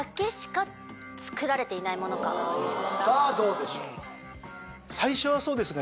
さぁどうでしょう？